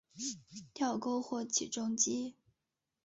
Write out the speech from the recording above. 吊钩或起重机。